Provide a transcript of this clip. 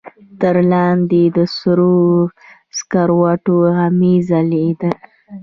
تر لاندې د سرو سکروټو غمي ځلېدل.